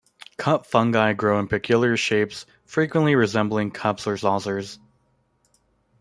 Cup fungi grow in peculiar shapes, frequently resembling cups or saucers.